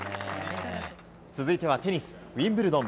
続いてはテニス、ウィンブルドン。